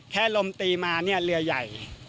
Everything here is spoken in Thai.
แค่ลมตีมาเรือใหญ่